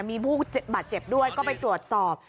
มีผู้บาดเจ็บด้วยก็ไปตรวจสอบ